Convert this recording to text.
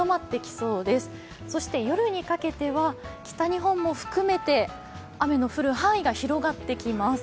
そして夜にかけては北日本も含めて、雨の降る範囲が広がってきます。